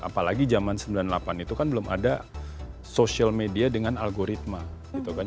apalagi zaman sembilan puluh delapan itu kan belum ada social media dengan algoritma gitu kan